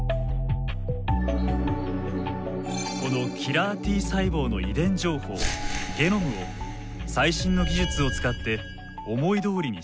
このキラーＴ細胞の遺伝情報ゲノムを最新の技術を使って思いどおりに操作。